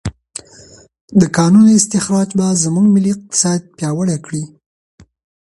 د کانونو استخراج به زموږ ملي اقتصاد پیاوړی کړي.